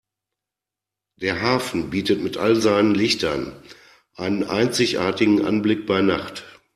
Der Hafen bietet mit all seinen Lichtern einen einzigartigen Anblick bei Nacht.